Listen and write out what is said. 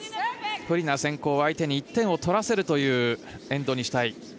不利な先行相手に１点取らせるというエンドにしたい。